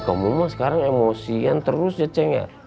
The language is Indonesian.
kamu mah sekarang emosian terus ya ceng ya